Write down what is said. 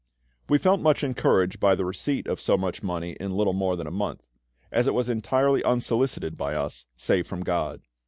"We felt much encouraged by the receipt of so much money in little more than a month, as it was entirely unsolicited by us save from GOD.